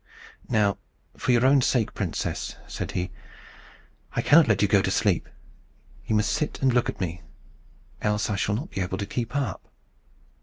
"Now for your own sake, princess," said he, "I cannot let you go to sleep. You must sit and look at me, else I shall not be able to keep up."